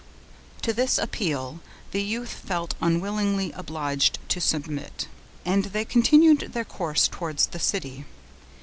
To this appeal the youth felt unwillingly obliged to submit; and they continued their course towards the city.